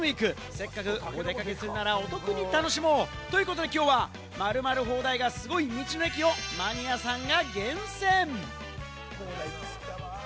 せっかくお出かけするならお得に楽しもうということで、今日は〇〇放題がすごい、道の駅をマニアさんが厳選。